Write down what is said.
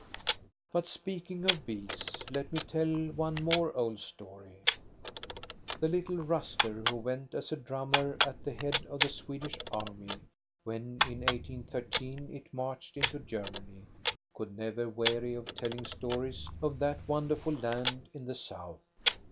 But, speaking of bees, let me tell one more old story. The little Ruster, who went as a drummer at the head of the Swedish army, when in 1813 it pjarched into Germany, could never weary of telling MARGARETA CELSING 473 stories of that wonderful land in the south.